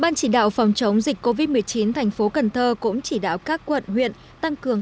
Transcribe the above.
ban chỉ đạo phòng chống dịch covid một mươi chín thành phố cần thơ cũng chỉ đạo các quận huyện tăng cường